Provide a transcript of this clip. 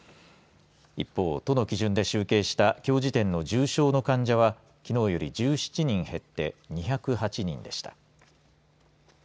一方、都の基準で集計した、きょう時点の重症の患者は、きのうより１７人減って２０８人でした。